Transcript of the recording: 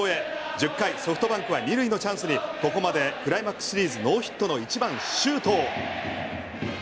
１０回ソフトバンクは２塁のチャンスにここまでクライマックスシリーズノーヒットの１番、周東。